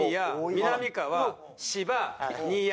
みなみかわ芝新山。